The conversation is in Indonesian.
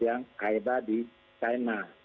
yang kaiba di china